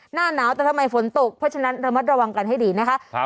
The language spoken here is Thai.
หน้าหนาวแต่ทำไมฝนตกเพราะฉะนั้นระมัดระวังกันให้ดีนะคะ